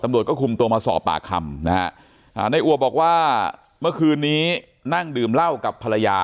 ส่องก็คุมตัวมาส่อปากคำนายอัวะบอกว่าเมื่อคืนนี้นั่งดื่มเหล้ากับภรรยา